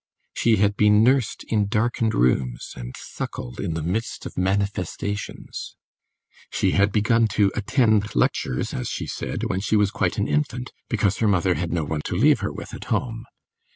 She had been nursed in darkened rooms, and suckled in the midst of manifestations; she had begun to "attend lectures," as she said, when she was quite an infant, because her mother had no one to leave her with at home.